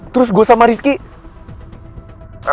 terus gue sama rizky